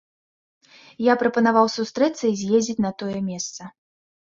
Я прапанаваў сустрэцца і з'ездзіць на тое месца.